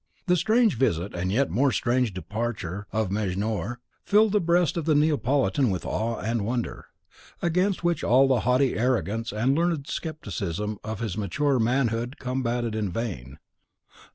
The strange visit and yet more strange departure of Mejnour filled the breast of the Neapolitan with awe and wonder, against which all the haughty arrogance and learned scepticism of his maturer manhood combated in vain.